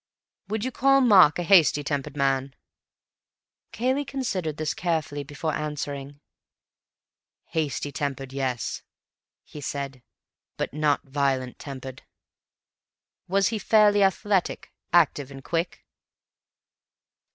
"Would you call Mark a hasty tempered man?" Cayley considered this carefully before answering. "Hasty tempered, yes," he said. "But not violent tempered." "Was he fairly athletic? Active and quick?"